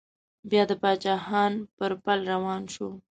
بيا د پاچا خان پر پل روان شو.